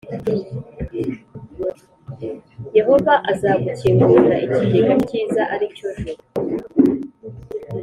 yehova azagukingurira ikigega cye cyiza, ari cyo juru,